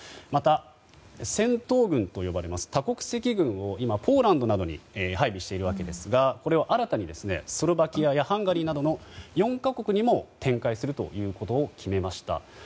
また、戦闘群と呼ばれます多国籍軍を今、ポーランドなどに配備しているわけですがこれを新たにスロバキアやハンガリーなどの４か国にも展開するということを決めました。